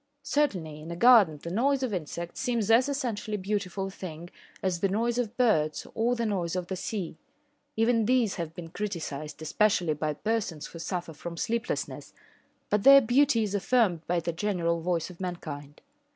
Certainly in a garden the noise of insects seems as essentially beautiful a thing as the noise of birds or the noise of the sea. Even these have been criticised, especially by persons who suffer from sleeplessness, but their beauty is affirmed by the general voice of mankind.